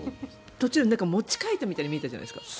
途中持ち替えたみたいに見えたじゃないですか。